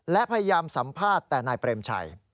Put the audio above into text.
และพยายามสัมภาษณ์แต่นายเปรมชัย